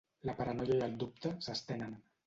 La paranoia i el dubte s'estenen.